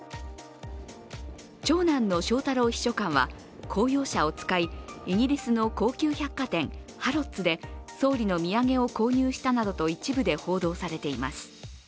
長男の翔太郎秘書官は公用車を使い、イギリスの高級百貨店ハロッズで総理の土産を購入したなどと一部で報道されています。